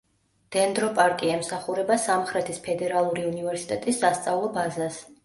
დენდროპარკი ემსახურება სამხრეთის ფედერალური უნივერსიტეტის სასწავლო ბაზას.